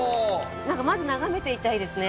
まず眺めていたいですね。